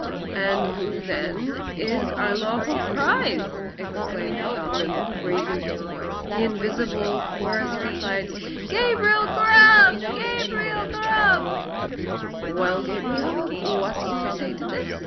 "And who, then, is our lawful prize?" exclaimed the goblin, raising his voice. The invisible chorus replied, "Gabriel Grubb! Gabriel Grubb!" "Well, Gabriel, what do you say to this?"